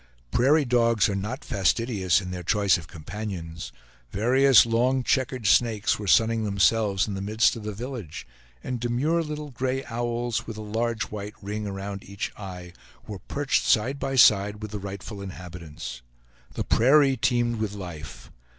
Prairie dogs are not fastidious in their choice of companions; various long, checkered snakes were sunning themselves in the midst of the village, and demure little gray owls, with a large white ring around each eye, were perched side by side with the rightful inhabitants. The prairie teemed with life.